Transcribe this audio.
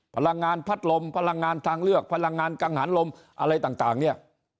พลังงานพัดลมพลังงานทางเลือกพลังงานกังหันลมอะไรต่างเนี่ย